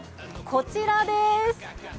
こちらです。